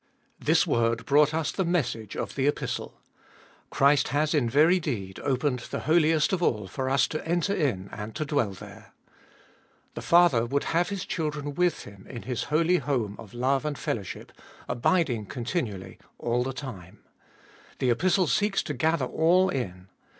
This word brought us the message of the Epistle. Christ has in very deed opened the Holiest of All for us to enter in and to dwell there. The Father would have His children with Him in His holy home of love and fellowship, abiding continually all the time. The Epistle seeks to gather all in.